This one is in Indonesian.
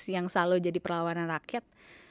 yang selalu jadi perlawanan rakyat